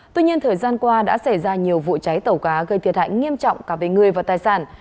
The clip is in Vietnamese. tuy nhiên thời gian qua đã xảy ra nhiều vụ cháy tàu cá gây thiệt hại nghiêm trọng cả về người và tài sản